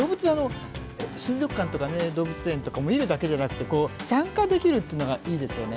水族館とか動物園とか見るだけじゃなくて参加できるというのがいいですよね。